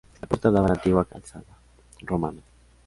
La puerta daba a la antigua calzada romana.